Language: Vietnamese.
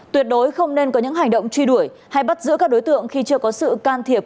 tuyệt đối không nên có những hành động truy đuổi hay bắt giữ các đối tượng khi chưa có sự can thiệp